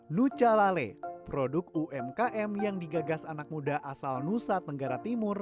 nucalale produk umkm yang digagas anak muda asal nusa tenggara timur